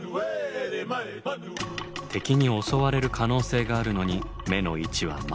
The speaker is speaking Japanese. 敵に襲われる可能性があるのに目の位置は前。